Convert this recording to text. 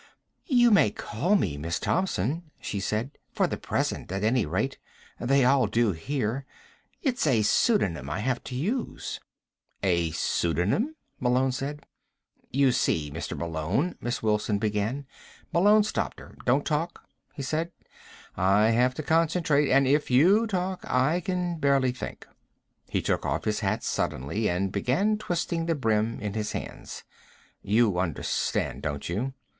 "You may call me Miss Thompson," she said. "For the present, at any rate. They all do here. It's a pseudonym I have to use." "A pseudonym?" Malone said. "You see, Mr. Malone," Miss Wilson began. Malone stopped her. "Don't talk," he said. "I have to concentrate and if you talk I can barely think." He took off his hat suddenly, and began twisting the brim in his hands. "You understand, don't you?"